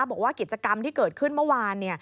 บอกว่ากิจกรรมที่เกิดขึ้นเมื่อวาน